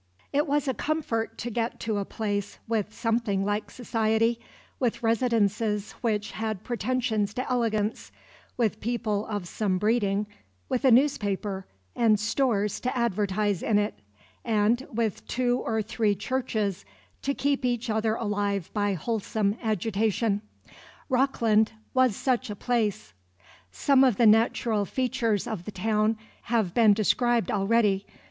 It was a comfort to get to a place with something like society, with residences which had pretensions to elegance, with people of some breeding, with a newspaper, and "stores" to advertise in it, and with two or three churches to keep each other alive by wholesome agitation. Rockland was such a place. Some of the natural features of the town have been described already.